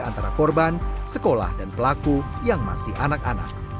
antara korban sekolah dan pelaku yang masih anak anak